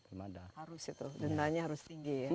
harus itu dendanya harus tinggi ya